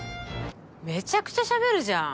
めちゃくちゃしゃべるじゃん！